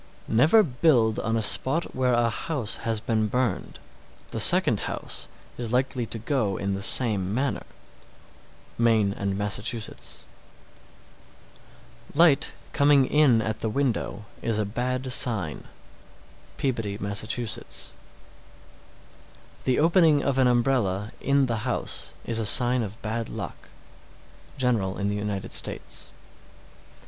703. Never build on a spot where a house has been burned. The second house is likely to go in the same manner. Maine and Massachusetts. 704. Light coming in at the window is a bad sign. Peabody, Mass. 705. The opening of an umbrella in the house is a sign of bad luck. _General in the United States.